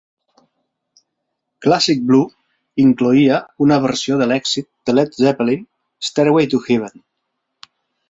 "Classic Blue" incloïa una versió de l'èxit de Led Zeppelin "Stairway to Heaven".